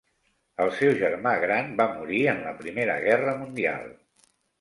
El seu germà gran va morir en la Primera Guerra Mundial.